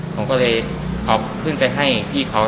ผมก็เลยเอาขึ้นไปให้พี่เขา